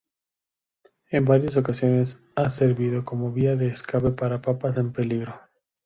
En varias ocasiones ha servido como vía de escape para papas en peligro.